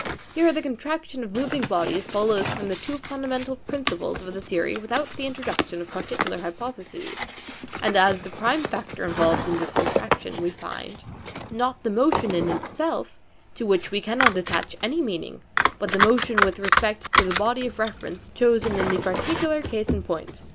Here the contraction of moving bodies follows from the two fundamental principles of the theory, without the introduction of particular hypotheses ; and as the prime factor involved in this contraction we find, not the motion in itself, to which we cannot attach any meaning, but the motion with respect to the body of reference chosen in the particular case in point.